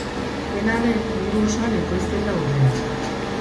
Dena den, mundu osoan ekoizten da urrea.